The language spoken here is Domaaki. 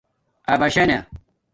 اَباشݳنہ